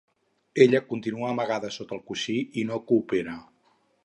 Ella continua amagada sota el coixí i no coopera.